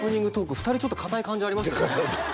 ２人ちょっと硬い感じありますよね